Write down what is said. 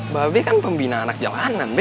mba be kan pembina anak jalanan be